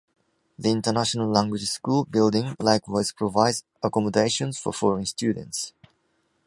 The International Language School building likewise provides accommodations for foreign students.